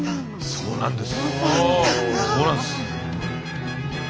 そうなんです。